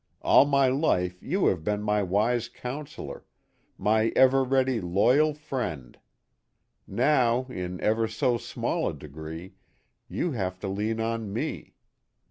All my life you have been my wise counselor, my ever ready loyal friend; now, in ever so small a degree, you have to lean on me.